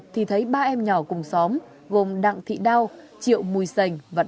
thì thấy ba em nhỏ cùng xóm gồm đặng thị đao triệu mùi sành và đặng thị đăng